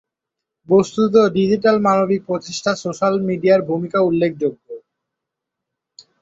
বস্তুত, ডিজিটাল মানবিক প্রচেষ্টায় সোশ্যাল মিডিয়ার ভূমিকা উল্লেখযোগ্য।